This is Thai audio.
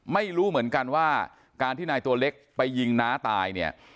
ไม่รู้เหมือนกันว่าการที่นายตัวเล็กไปยิงน้าตายเนี่ย